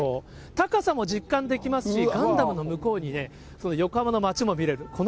高さも実感できますし、ガンダムの向こうに横浜の街も見れる。